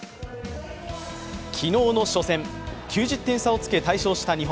昨日の初戦、９０点差をつけ大勝した日本。